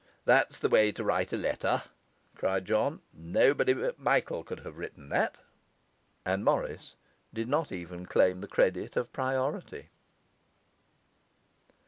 'That's the way to write a letter,' cried John. 'Nobody but Michael could have written that.' And Morris did not even claim the credit of priority.